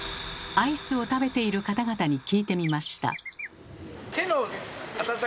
アイスを食べている方々に聞いてみました。